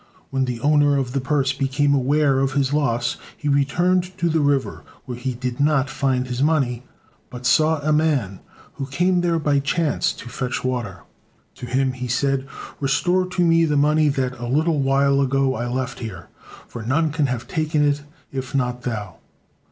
When the owner of the purse became aware of his loss, he returned to the river, where he did not find his money, but saw a man, who came there by chance to fetch water. To him he said: "Restore to me the money that a little while ago I left here, for none can have taken it if not thou."